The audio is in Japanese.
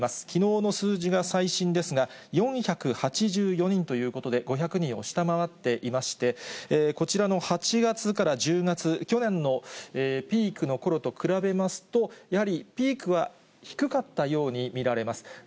きのうの数字が最新ですが、４８４人ということで、５００人を下回っていまして、こちらの８月から１０月、去年のピークのころと比べますと、やはりピークは低かったように見られます。